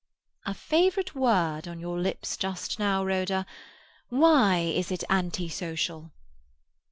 "A favourite word on your lips just now, Rhoda. Why is it anti social?"